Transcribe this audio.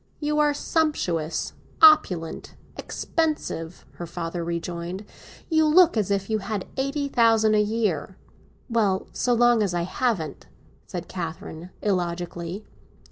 "You are sumptuous, opulent, expensive," her father rejoined. "You look as if you had eighty thousand a year." "Well, so long as I haven't—" said Catherine illogically.